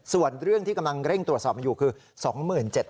ส่วนเรื่องที่กำลังเร่งตรวจสอบมันอยู่คือ